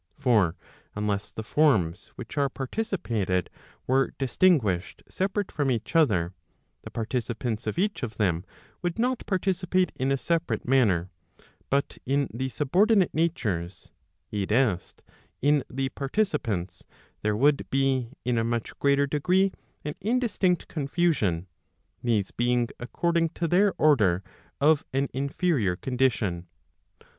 For unless the forms which are participated were distinguished separate from each other, the participants of each of them would not participate in a separate manner, but in the subordinate natures [i. e. in the participants] there would be, in a much greater degree, an indistinct confusion, these being according to their order of an inferior condition.